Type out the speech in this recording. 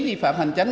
vi phạm hành tránh